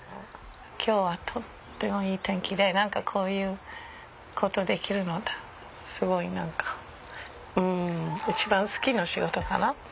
今日はとってもいい天気で何かこういう事できるのすごい何かうん一番好きの仕事かな。